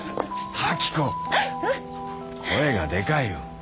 声がでかいよ。